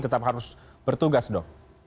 tetap harus bertugas dong